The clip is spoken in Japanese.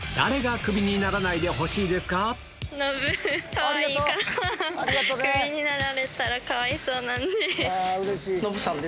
クビになられたらかわいそうなんで。